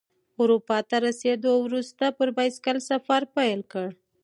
اروپا ته رسیدو وروسته پر بایسکل سفر پیل کړ.